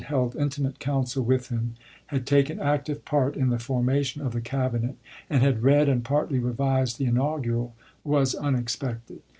held intimate counsel with him, had taken active part in the formation of the Cabinet, and had read and partly revised the inaugural, was unexpected.